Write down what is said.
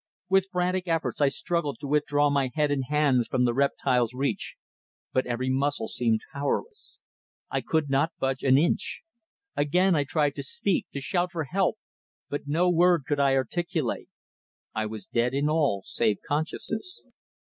With frantic efforts I struggled to withdraw my head and hands from the reptile's reach, but every muscle seemed powerless. I could not budge an inch. Again I tried to speak, to shout for help, but no word could I articulate. I was dead in all save consciousness.